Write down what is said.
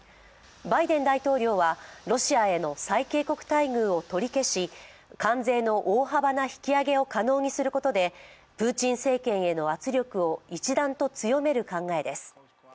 バイデン大統領はロシアへの最恵国待遇を取り消し、関税の大幅な引き上げを可能にすることでプーチン政権への圧力を一段と強める考えです。